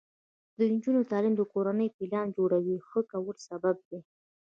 د نجونو تعلیم د کورنۍ پلان جوړونې ښه کولو سبب دی.